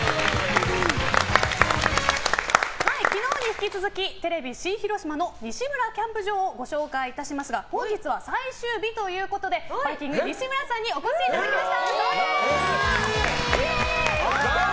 昨日に引き続きテレビ新広島の「西村キャンプ場」をご紹介いたしますが本日は最終日ということでバイきんぐ西村さんにお越しいただきました！